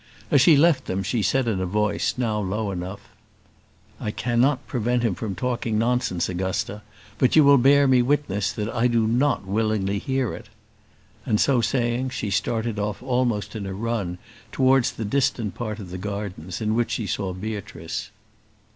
As she left them she said in a voice, now low enough, "I cannot prevent him from talking nonsense, Augusta; but you will bear me witness, that I do not willingly hear it." And, so saying, she started off almost in a run towards the distant part of the gardens, in which she saw Beatrice.